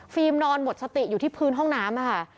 ฟิล์มนอนหมดสติอยู่ที่พื้นห้องน้ำ